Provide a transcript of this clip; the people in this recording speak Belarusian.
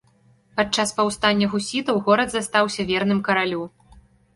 Падчас паўстання гусітаў горад застаўся верным каралю.